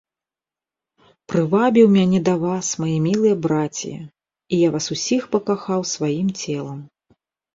Прывабіў мяне да вас, маі мілыя брація, і я вас усіх пакахаў сваім целам.